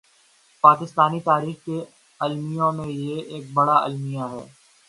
پاکستانی تاریخ کے المیوں میں یہ ایک بڑا المیہ ہے۔